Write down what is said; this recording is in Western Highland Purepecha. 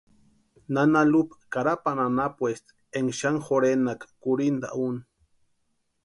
Nana Lupa Carapani anapuesti énka xani jorhenaka kurhinta úni.